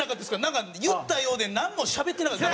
なんか言ったようでなんもしゃべってなかった。